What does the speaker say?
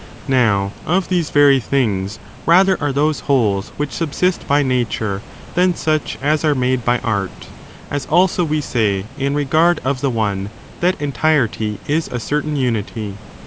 151 Now, of these very things rather are those 2 The ec wholes which subsist by natxire than such as mode further are made by art; as also we say^ in regard of the musStedf"^ one, that entirety is a certain unity.